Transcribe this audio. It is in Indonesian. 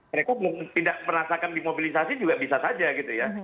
mereka tidak merasakan dimobilisasi juga bisa saja gitu ya